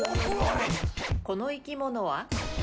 この生き物は？